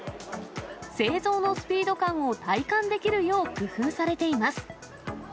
製造のスピード感を体感できるよう工夫されています。